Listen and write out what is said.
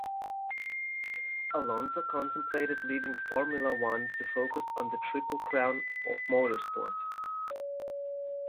Alonso contemplated leaving Formula One to focus on the Triple Crown of Motorsport.